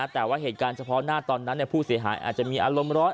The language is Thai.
แต่ว่าเหตุการณ์เฉพาะหน้าตอนนั้นผู้เสียหายอาจจะมีอารมณ์ร้อน